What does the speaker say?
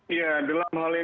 iya dalam hal ini